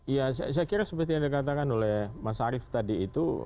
ya saya kira seperti yang dikatakan oleh mas arief tadi itu